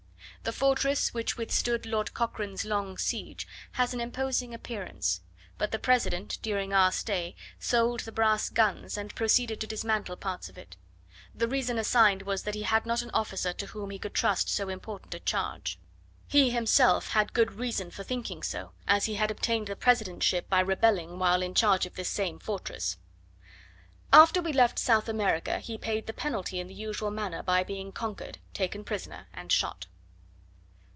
The fortress, which withstood Lord Cochrane's long siege, has an imposing appearance. But the President, during our stay, sold the brass guns, and proceeded to dismantle parts of it. The reason assigned was, that he had not an officer to whom he could trust so important a charge. He himself had good reason for thinking so, as he had obtained the presidentship by rebelling while in charge of this same fortress. After we left South America, he paid the penalty in the usual manner, by being conquered, taken prisoner, and shot.